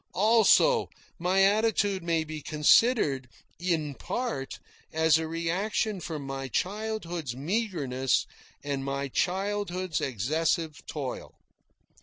Also, my attitude may be considered, in part, as a reaction from my childhood's meagreness and my childhood's excessive toil.